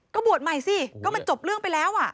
ก็บวชใหม่สิก็มันจบเรื่องไปแล้ว